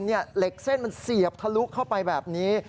เหล็กเส้นมันเสียบทะลุเข้าไปแบบนี้